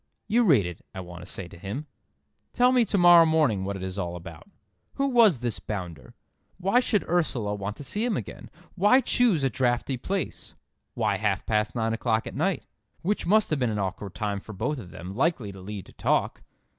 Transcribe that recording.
"You read it," I want to say to him. "Tell me to morrow morning what it is all about. Who was this bounder? Why should Ursula want to see him again? Why choose a draughty place? Why half past nine o'clock at night, which must have been an awkward time for both of them—likely to lead to talk?